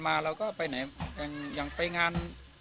วันนี้ก็จะเป็นสวัสดีครับ